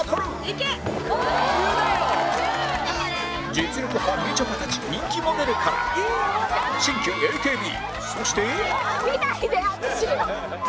実力派みちょぱたち人気モデルから新旧 ＡＫＢ そして見ないで淳！